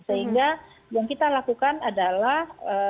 sehingga yang kita lakukan adalah